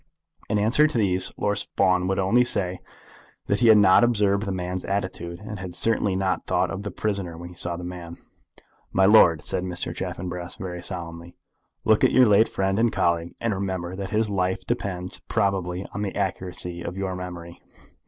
In answer to these Lord Fawn would only say that he had not observed the man's attitude, and had certainly not thought of the prisoner when he saw the man. "My lord," said Mr. Chaffanbrass, very solemnly, "look at your late friend and colleague, and remember that his life depends probably on the accuracy of your memory.